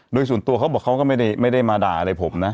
โดยส่วนตัวเขาบอกเขาก็ไม่ได้มาด่าอะไรผมนะ